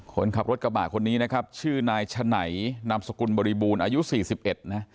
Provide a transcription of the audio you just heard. คนขับรถกระบะคนนี้นะครับชื่อนายฉะไหนนามสกุลบริบูรณ์อายุ๔๑นะ